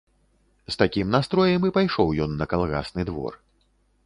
З такім настроем і пайшоў ён на калгасны двор.